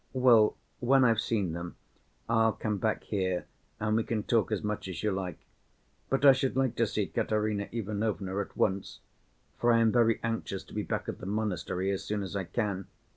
"Well, when I've seen them, I'll come back here and we can talk as much as you like. But I should like to see Katerina Ivanovna at once, for I am very anxious to be back at the monastery as soon as I can."